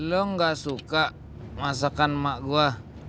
lo gak suka masakan emak gua